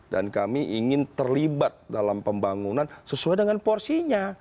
dan kami ingin terlibat dalam pembangunan sesuai dengan porsinya